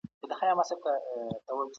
ادبي هڅي د فرهنګ په بډاینه کي مرسته کوي.